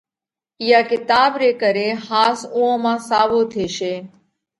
اِيئا ڪِتاٻ ري ڪري ۿاس اُوئون مانه ساوَو ٿيشي۔